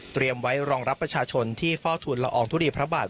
ไว้รองรับประชาชนที่เฝ้าทุนละอองทุลีพระบาท